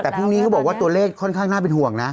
แต่พรุ่งนี้เขาบอกว่าตัวเลขค่อนข้างน่าเป็นห่วงนะ